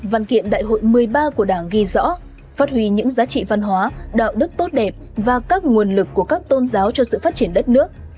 văn kiện đại hội một mươi ba của đảng ghi rõ phát huy những giá trị văn hóa đạo đức tốt đẹp và các nguồn lực của các tôn giáo cho sự phát triển đất nước